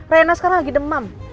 rena sekarang lagi demam